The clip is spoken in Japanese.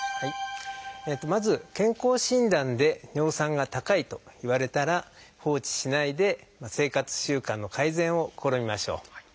まず健康診断で尿酸が高いと言われたら放置しないで生活習慣の改善を試みましょう。